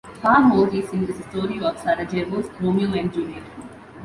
Far more recent is the story of Sarajevo's Romeo and Juliet.